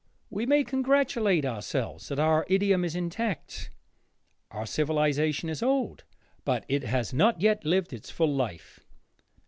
We may congratulate ourselves that our idiom is intact. Our civilization is old, but it has not yet lived its full life.